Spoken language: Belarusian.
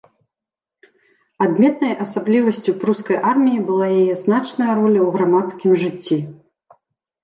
Адметнай асаблівасцю прускай арміі была яе значная роля ў грамадскім жыцці.